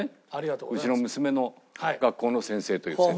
うちの娘の学校の先生という設定。